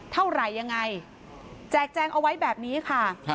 เท่าไหร่ยังไงแจกแจงเอาไว้แบบนี้ค่ะ